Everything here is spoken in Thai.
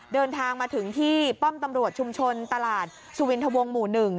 เดินทางมาถึงที่ป้อมตำรวจชุมชนตลาดสุวินทวงหมู่๑